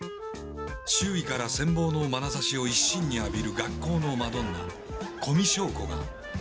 周囲から羨望のまなざしを一身に浴びる学校のマドンナ古見硝子が。